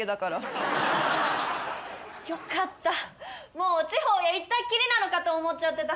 もう地方へ行ったっきりなのかと思っちゃってた。